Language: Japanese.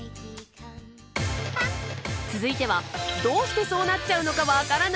続いてはどうしてそうなっちゃうのか分からない！